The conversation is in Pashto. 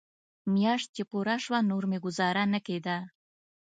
مياشت چې پوره سوه نور مې گوزاره نه کېده.